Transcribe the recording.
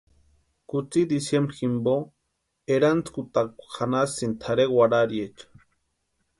Kutsï diciembrini jimpo erantskutakwa janhasïni tʼarhe warhariecha.